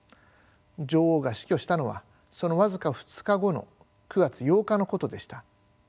女王が死去したのはその僅か２日後の９月８日のことでした。